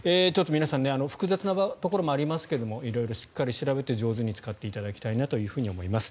皆さん複雑なところもありますけど色々しっかり調べて上手に使っていただきたいと思います。